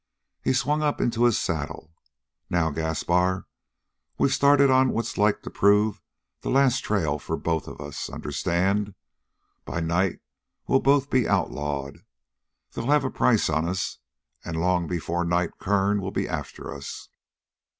He swung up into his saddle. "Now, Gaspar, we've started on what's like to prove the last trail for both of us, understand? By night we'll both be outlawed. They'll have a price on us, and long before night, Kern will be after us.